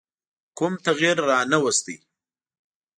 کوم تغییر رانه ووست.